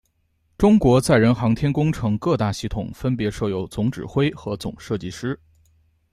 中国载人航天工程各大系统分别设有总指挥和总设计师。